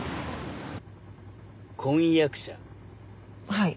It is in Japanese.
はい。